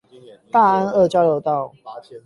大安二交流道